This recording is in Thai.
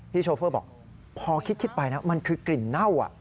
โชเฟอร์บอกพอคิดไปนะมันคือกลิ่นเน่า